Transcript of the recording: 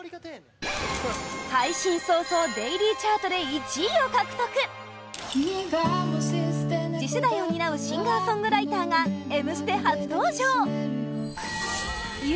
配信早々デイリーチャートで１位を獲得次世代を担うシンガーソングライターが「Ｍステ」初登場由